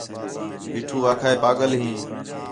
پیٹھو آکھا ہِے پاڳل ہیں